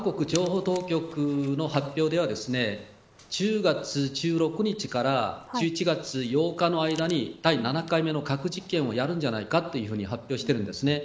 韓国情報当局の発表では１０月１６日から１１月８日の間に第７回目の核実験をやるんじゃないかと発表しているんです。